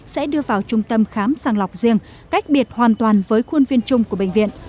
sẽ đưa vào trung tâm khám sàng lọc riêng cách biệt hoàn toàn với khuôn viên chung của bệnh viện